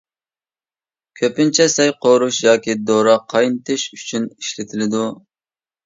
كۆپىنچە سەي قورۇش ياكى دورا قاينىتىش ئۈچۈن ئىشلىتىلىدۇ.